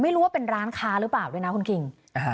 ไม่รู้ว่าเป็นร้านค้าหรือเปล่าด้วยนะคุณคิง